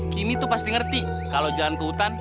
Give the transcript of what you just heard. kimi tuh pasti ngerti kalo jalan ke hutan